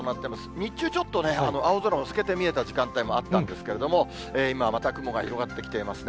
日中、ちょっとね、青空も透けて見えた時間帯もあったんですけども、今はまた雲が広がってきていますね。